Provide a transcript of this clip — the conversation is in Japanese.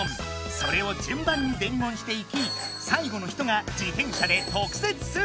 それを順番に伝言していき最後の人が自転車で特設スーパーへ。